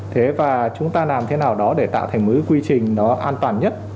thế và chúng ta làm thế nào đó để tạo thành một cái quy trình nó an toàn nhất